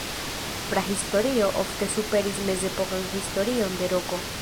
Prahistorio ofte superis mezepokan historion de Roko.